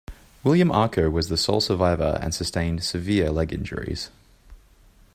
William Arko was the sole survivor and sustained severe leg injuries.